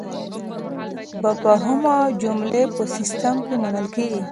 بامفهومه جملې په سیسټم کې منل کیږي.